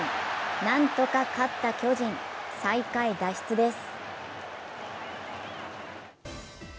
なんとか勝った巨人最下位脱出です。